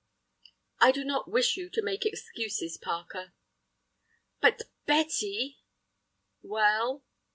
"I do not wish you to make excuses, Parker." "But, Betty—" "Well?"